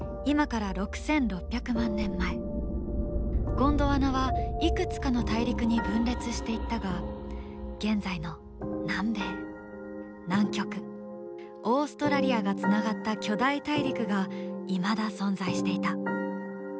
ゴンドワナはいくつかの大陸に分裂していったが現在の南米南極オーストラリアがつながった巨大大陸がいまだ存在していた。